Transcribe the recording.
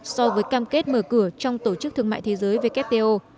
so với cam kết mở cửa trong tổ chức thương mại thế giới wto